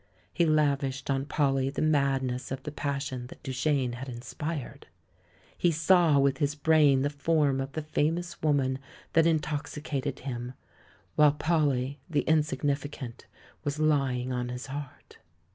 He lavished on Polly the madness of the passion that Duchene had inspired ; he saw with his brain the form of the famous woman that intoxicated him, while Polly the insignificant was lying on his heart.